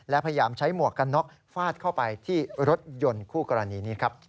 และพยายามใช้หมวกกันน็อกฟาดเข้าไปที่รถยนต์คู่กรณีนี้ครับ